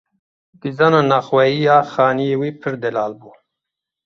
Dîzayna navxweyî ya xaniyê wî pir delal bû.